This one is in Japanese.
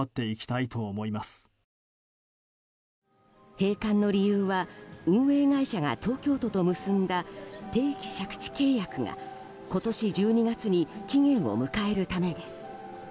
閉館の理由は運営会社が東京都と結んだ定期借地契約が今年１２月に期限を迎えるためです。